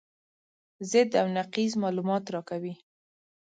ضد او نقیض معلومات راکوي.